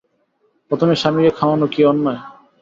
প্রথমে স্বামীকে খাওয়ানো কি অন্যায়?